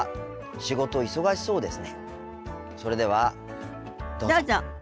仕事忙しそうですね。